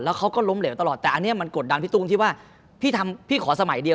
แล้วเขาก็ล้มเหลวแต่อันนี้มันกดดันพี่ตู้งพี่ขอสมัยเดียว